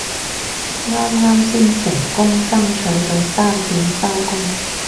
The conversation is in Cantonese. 啱啱先成功爭取到三點收工